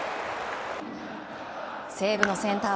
西武のセンター